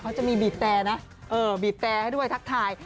เขาจะมีบีบแต่นะบีบแต่ให้ด้วยทักทาย